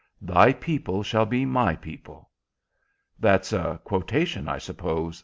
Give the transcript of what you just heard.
Thy people shall be my people._" "That's a quotation, I suppose?"